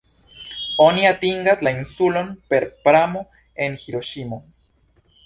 Oni atingas la insulon per pramo el Hiroŝimo.